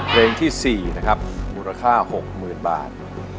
เพลงที่๔นะครับมูลค่า๖๐๐๐บาท